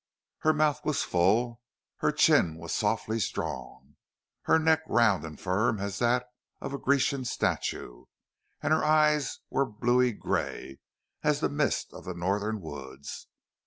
Her mouth was full, her chin was softly strong, her neck round and firm as that of a Grecian statue, and her eyes were bluey grey as the mist of the northern woods.